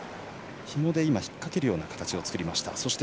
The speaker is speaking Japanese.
ひもで引っ掛けるような形を作りました。